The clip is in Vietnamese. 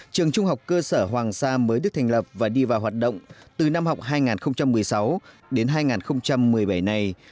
trường trung học cơ sở hoàng sa mới được thành lập và đi vào hoạt động từ năm học hai nghìn một mươi sáu đến hai nghìn một mươi bảy này